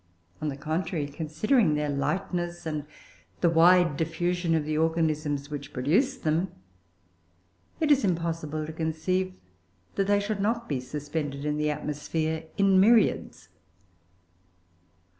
On the contrary, considering their lightness and the wide diffusion of the organisms which produce them, it is impossible to conceive that they should not be suspended in the atmosphere in myriads.